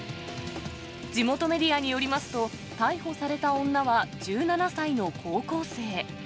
地元メディアによりますと、逮捕された女は１７歳の高校生。